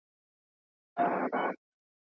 ما د بریا لپاره ډېرې دعاګانې کړې وې.